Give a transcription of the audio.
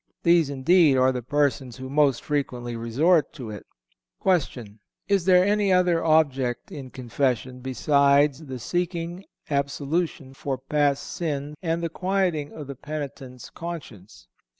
These, indeed, are the persons who most frequently resort to it._ Q. Is there any other object in confession, besides the seeking absolution for past sin and the quieting of the penitent's conscience?